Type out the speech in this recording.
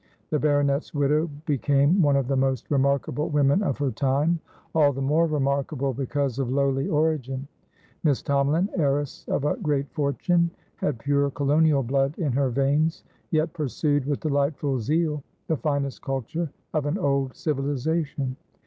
The baronet's widow became one of the most remarkable women of her time, all the more remarkable because of lowly origin; Miss Tomalin, heiress of a great fortune, had pure colonial blood in her veins, yet pursued with delightful zeal the finest culture of an old civilisation.